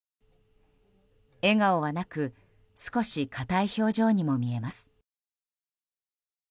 笑顔はなく少し硬い表情にも見えます。